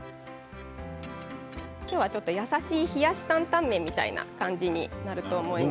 今日は優しい冷やしタンタン麺みたいな感じになると思います。